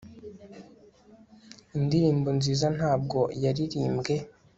indirimbo nziza ntabwo yaririmbwe